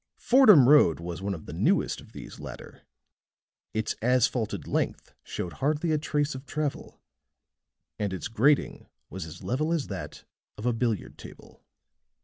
Fordham Road was one of the newest of these latter; its asphalted length showed hardly a trace of travel and its grading was as level as that of a billiard table.